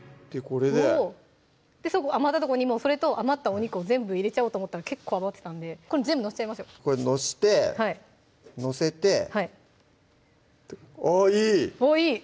これで余ったとこにもそれと余ったお肉を全部入れちゃおうと思ったら結構余ってたんでこれ全部載せちゃいましょうこれ載して載せてあぁいい！